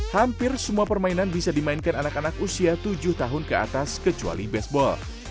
hampir semua permainan bisa dimainkan anak anak usia tujuh tahun ke atas kecuali baseball